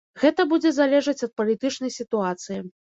Гэта будзе залежаць ад палітычнай сітуацыі.